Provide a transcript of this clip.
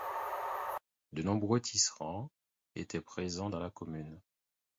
De nombreux tisserands étaient présents dans la commune.